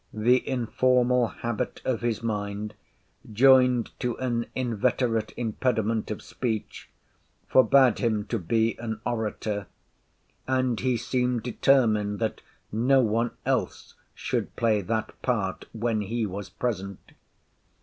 The informal habit of his mind, joined to an inveterate impediment of speech, forbade him to be an orator; and he seemed determined that, no one else should play that part when he was present.